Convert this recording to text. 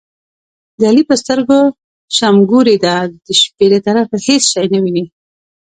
د علي په سترګو شمګوري ده، د شپې له طرفه هېڅ شی نه ویني.